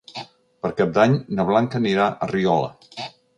Per Cap d'Any na Blanca anirà a Riola.